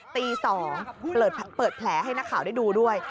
ตี๒เปิดแผลให้นักข่าวได้ดูด้วย